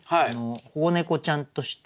保護猫ちゃんとして。